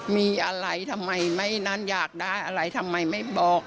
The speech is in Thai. มีอะไรทำไมไม่นั้นอยากได้อะไรทำไมไม่บอก